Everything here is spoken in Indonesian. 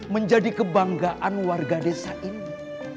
menjadi kebanggaan warga desa ini